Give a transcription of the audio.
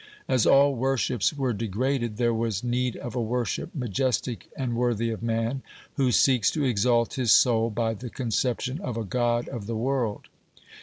As all worships were degraded, there was need of a worship majestic and worthy of man, who seeks to exalt his soul by the conception of a God of the world.